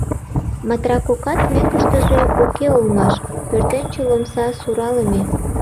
Матра кокат мӧҥгыштыжӧ уке улмаш: пӧртӧнчыл омса суралыме.